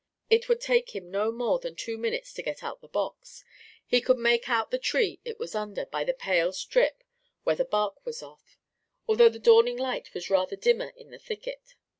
It would take him no more than two minutes to get out the box; he could make out the tree it was under by the pale strip where the bark was off, although the dawning light was rather dimmer in the thicket.